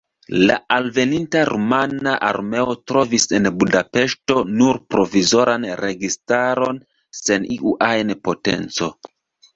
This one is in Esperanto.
La alveninta rumana armeo trovis en Budapeŝto nur provizoran registaron sen iu ajn potenco.